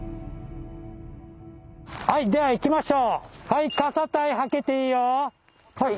はいではいきましょう！